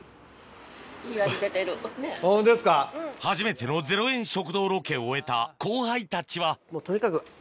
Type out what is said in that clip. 初めての０円食堂ロケを終えた後輩たちはもうとにかく。